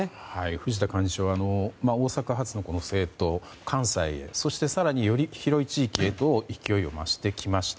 藤田幹事長、大阪発の政党関西、更により広い地域へと勢いを広げてきました。